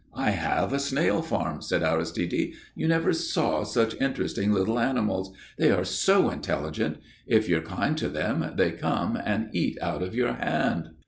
"I have a snail farm," said Aristide. "You never saw such interesting little animals. They are so intelligent. If you're kind to them they come and eat out of your hand."